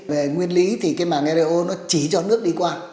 về nguyên lý thì cái màng eu nó chỉ cho nước đi qua